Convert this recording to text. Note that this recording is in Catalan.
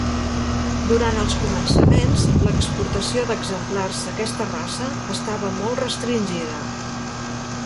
Durant els començaments l'exportació d'exemplars d'aquesta raça estava molt restringida.